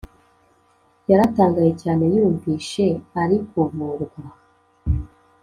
yaratangaye cyane yumvishe arikuvurwa